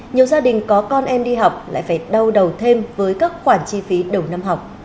nhiều gia đình có con em đi học lại phải đau đầu thêm với các khoản chi phí đầu năm học